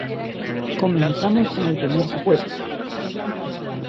Comenzamos con el primer supuesto.